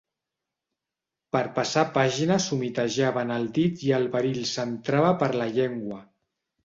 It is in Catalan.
Per passar pàgina s'humitejaven el dit i el verí els entrava per la llengua.